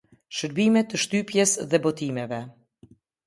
Shërbime të shtypjes dhe botimeve